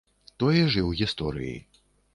Тое ж і ў гісторыі.